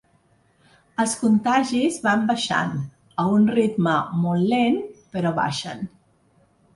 Els contagis van baixant, a un ritme molt lent, però baixen.